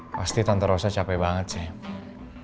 pasti tante rosa capek banget sih